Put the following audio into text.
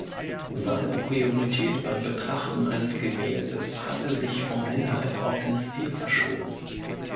Seine Priorität beim Betrachten eines Gemäldes hatte sich vom Inhalt auf den Stil verschoben.